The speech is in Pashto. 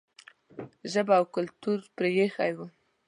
ژبه او کلتور پرې ایښی و.